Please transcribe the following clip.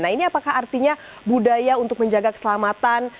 nah ini apakah artinya budaya untuk menjaga keselamatan